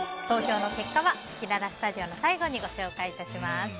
投票の結果はせきららスタジオの最後にお伝えします。